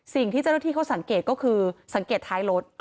สิ่งที่เจ้าหน้าที่เขาสังเกตก็คือสังเกตท้ายรถ